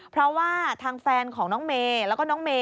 เพราะว่าทางแฟนของน้องเมย์แล้วก็น้องเมย